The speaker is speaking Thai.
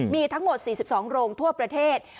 มีทั้งหมด๔๒โรงทั่วประเทศ